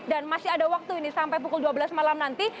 dan masih ada waktu ini sampai pukul dua belas malam nanti